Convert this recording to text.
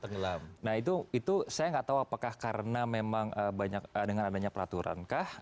nah itu saya nggak tahu apakah karena memang dengan adanya peraturankah